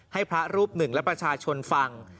ให้พระรูปหนึ่งและประชาชนฟัง